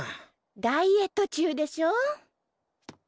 ダイエット中でしょ。